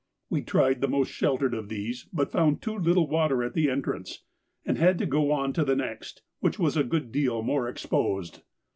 We tried the most sheltered of these, but found too little water at the entrance, and had to go on to the next, which was a good deal more exposed.